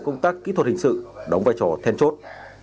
công tác kỹ thuật hình sự đóng vai trò then chốt